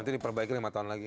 nanti diperbaiki lima tahun lagi